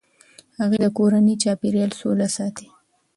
هغې د کورني چاپیریال سوله ساتي.